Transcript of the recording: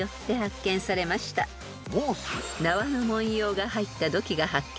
［縄の文様が入った土器が発見され